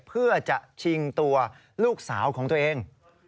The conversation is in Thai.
เพื่อจะชิงตัวลูกสาวของตัวเอง